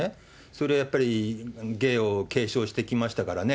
それはやっぱり、芸を継承してきましたからね、